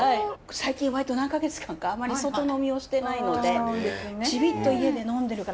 最近割と何か月間かあまり外呑みをしてないのでちびっと家で呑んでるからちょっと今日はね